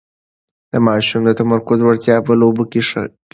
د ماشومانو د تمرکز وړتیا په لوبو کې ښه کېږي.